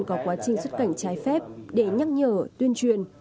có quá trình xuất cảnh trái phép để nhắc nhở tuyên truyền